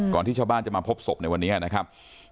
ที่ชาวบ้านจะมาพบศพในวันนี้นะครับ